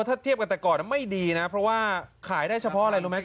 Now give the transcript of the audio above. ถ้าเทียบกันแต่ก่อนไม่ดีนะเพราะว่าขายได้เฉพาะอะไรรู้ไหม